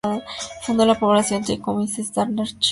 Fundó la publicación "The Economist" y el Standard Chartered Bank.